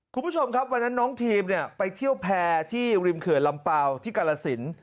คุณผู้ชมครับวันนั้นน้องทีมไปเที่ยวแพร่ที่ริมเขื่อนลำเปล่าที่กาลสิน